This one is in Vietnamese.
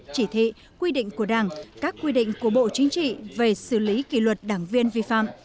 chỉ thị quy định của đảng các quy định của bộ chính trị về xử lý kỷ luật đảng viên vi phạm